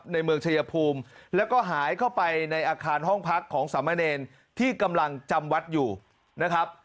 ในเมืองชายภูมิแล้วก็หายเข้าไปในอาคารห้องพักของสามเณรที่กำลังจำวัดอยู่นะครับ